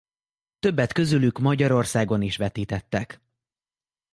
Többet közülük Magyarországon is vetítettek.